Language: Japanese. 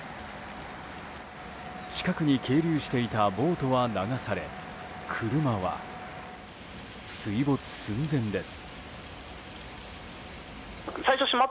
近くに係留していたボートは流され車は、水没寸前です。